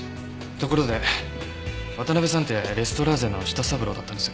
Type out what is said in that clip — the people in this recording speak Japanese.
ところで渡辺さんってレストラーゼの舌三郎だったんですよね？